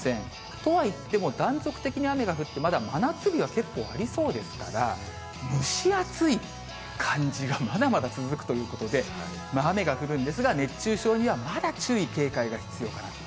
とはいっても断続的に雨が降って、まだ真夏日は結構ありそうですから、蒸し暑い感じがまだまだ続くということで、雨が降るんですが、熱中症にはまだ注意、警戒が必要かなと。